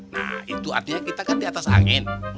nah itu artinya kita kan di atas angin